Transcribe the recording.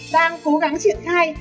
đang cố gắng triển khai